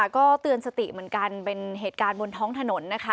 ก็เตือนสติเหมือนกันเป็นเหตุการณ์บนท้องถนนนะคะ